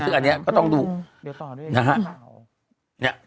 ซึ่งอนี้ก็ต้องดูเดี๋ยวต่อด้วยนะฮะเงี้ย